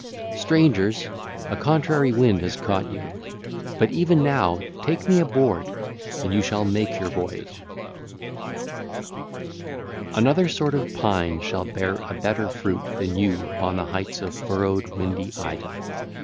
IX. (2 lines) (ll. 1 2) Strangers, a contrary wind has caught you: but even now take me aboard and you shall make your voyage. X. (4 lines) (ll. 1 4) Another sort of pine shall bear a better fruit 2604 than you upon the heights of furrowed, windy Ida.